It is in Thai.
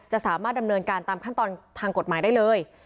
สามารถดำเนินการตามขั้นตอนทางกฎหมายได้เลย